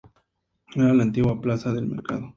Era la antigua "plaza del Mercado".